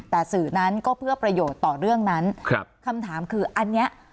แต่สื่อนั้นก็เพื่อประโยชน์ต่อเรื่องนั้นครับคำถามคืออันเนี้ย